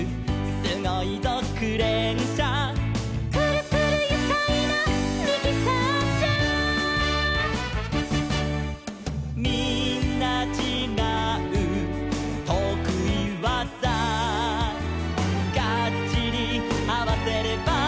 「すごいぞクレーンしゃ」「くるくるゆかいなミキサーしゃ」「みんなちがうとくいわざ」「ガッチリあわせれば」